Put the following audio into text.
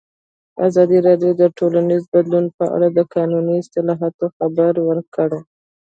ازادي راډیو د ټولنیز بدلون په اړه د قانوني اصلاحاتو خبر ورکړی.